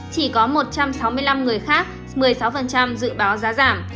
chỉ có một trăm sáu mươi năm người khác một mươi sáu dự báo giá giảm